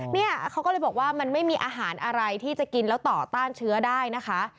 เนี่ยเขาก็เลยบอกว่ามันไม่มีอาหารอะไรที่จะกินแล้วต่อต้านเชื้อได้นะคะ